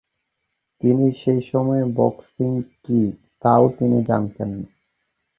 তিনি সেই সময়ে বক্সিং কী তাও তিনি জানতেন না।